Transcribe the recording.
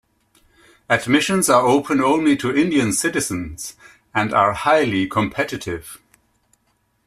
Admissions are open only to Indian citizens, and are highly competitive.